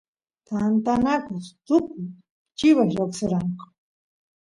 tantanakus tukus chivas lloqseranku